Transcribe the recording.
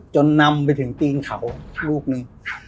นำไปถึงตีนเขาลูกนึง